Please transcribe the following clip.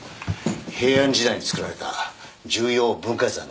平安時代に作られた重要文化財なんです。